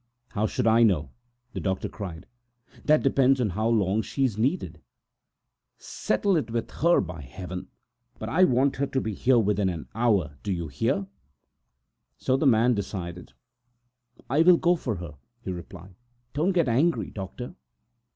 "How should I know?" the doctor cried. "That depends upon how long she is wanted for. Settle it with her, by Jove! But I want her to be here within an hour, do you hear." So the man made up his mind. "I will go for her," he replied; "don't get angry, doctor."